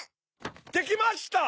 できました！